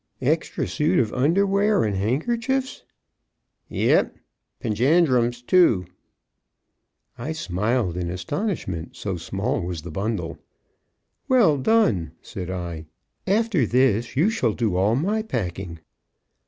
"Extra suit of underwear and handkerchiefs?" "Yep. Pajandrums, too." I smiled in astonishment, so small was the bundle. "Well done," said I, "after this you shall do all my packing."